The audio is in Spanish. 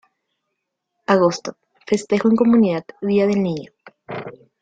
Agosto: Festejo en comunidad "Día del Niño".